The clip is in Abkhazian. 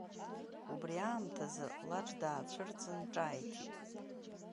Убри аамҭаз Лаџ даацәырҵын ҿааиҭит…